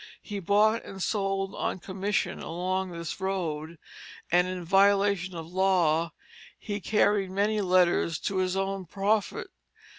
He bought and sold on commission along this road; and in violation of law he carried many letters to his own profit.